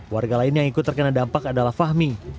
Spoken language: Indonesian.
warga lain yang ikut terkena dampak adalah fahmi